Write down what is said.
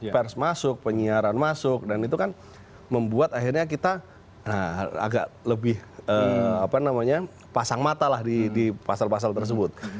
pers masuk penyiaran masuk dan itu kan membuat akhirnya kita agak lebih pasang mata lah di pasal pasal tersebut